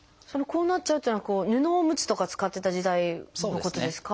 こうなっちゃうっていうのは布おむつとか使ってた時代のことですか？